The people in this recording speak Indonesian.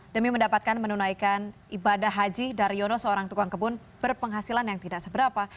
demi mendapatkan menunaikan ibadah haji daryono seorang tukang kebun berpenghasilan yang tidak seberapa